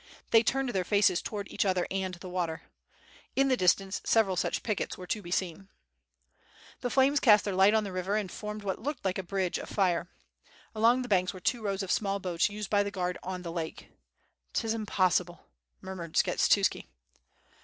They turned their faces to ward each other and the water. In the distance several such pickets were to be seen. The flames cast their light on the river, and formed what looked like a bridge of fire. Along the banks were two rows of small boats used by the guard on the lake. " ^Tis impossible," murmured Skshetuski.